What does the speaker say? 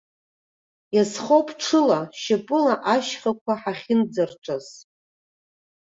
Иазхоуп ҽыла, шьапыла, ашьхақәа ҳахьынӡарҿаз!